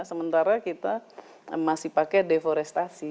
sementara kita masih pakai deforestasi